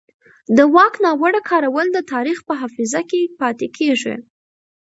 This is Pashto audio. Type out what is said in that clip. د واک ناوړه کارول د تاریخ په حافظه کې پاتې کېږي